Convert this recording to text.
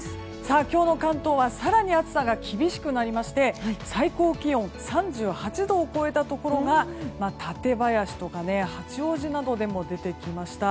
今日の関東は更に暑さが厳しくなりまして最高気温３８度を超えたところが館林とか、八王子などでも出てきました。